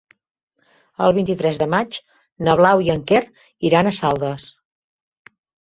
El vint-i-tres de maig na Blau i en Quer iran a Saldes.